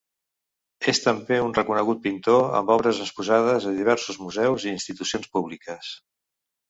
És també un reconegut pintor amb obres exposades a diversos museus i institucions públiques.